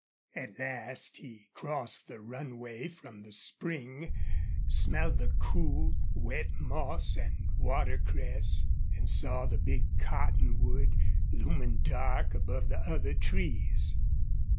At last he crossed the runway from the spring, smelled the cool, wet moss and watercress, and saw the big cottonwood, looming dark above the other trees.